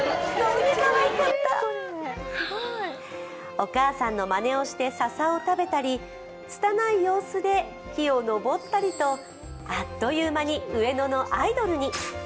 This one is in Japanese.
お母さんのまねをしてささを食べたりつたない様子で木を登ったりとあっという間に上野のアイドルに。